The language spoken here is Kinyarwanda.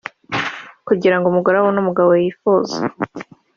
Kugirango umugore abone umugabo yifuza